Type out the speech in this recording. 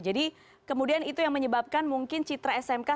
jadi kemudian itu yang menyebabkan mungkin citra smk